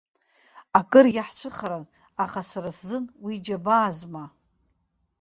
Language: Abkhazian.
Акыр иаҳцәыхаран, аха сара сзын уи џьабаазма.